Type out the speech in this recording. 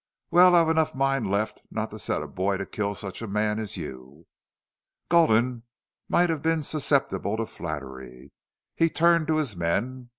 "Well, I've enough mind left not to set a boy to kill such a man as you." Gulden might have been susceptible to flattery. He turned to his men.